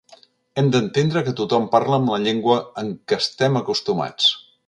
Hem d’entendre que tothom parla amb la llengua en què estem acostumats.